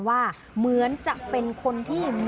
แล้วหลังจากนั้นตำรวจสืบไปสืบมาปรากฏว่าเขาไปอยู่กับผู้หญิงอีกคนนึง